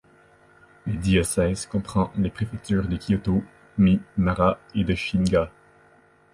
Le diocèse comprend les préfecture de Kyōto, Mie, Nara et de Shiga.